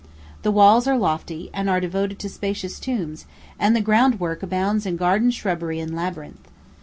The walls are lofty, and are devoted to spacious tombs, and the groundwork abounds in garden shrubbery and labyrinth.